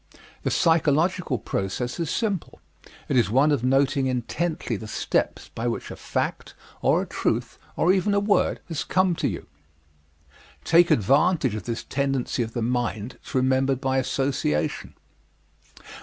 The psychological process is simple: it is one of noting intently the steps by which a fact, or a truth, or even a word, has come to you. Take advantage of this tendency of the mind to remember by association.